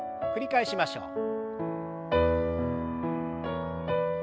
繰り返しましょう。